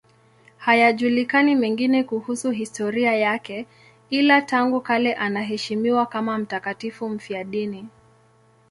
Hayajulikani mengine kuhusu historia yake, ila tangu kale anaheshimiwa kama mtakatifu mfiadini.